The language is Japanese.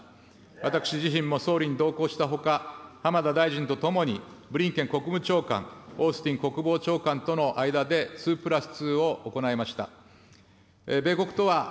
私自身も総理に同行したほか、浜田大臣と共に、ブリンケン国務長官、オースティン国防長官との間で２プラス２を行いました。